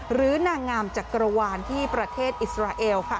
หรือนางงามจักรวาลที่ประเทศอิสราเอล